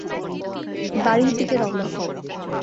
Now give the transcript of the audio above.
বাড়ির দিকে রওনা হও।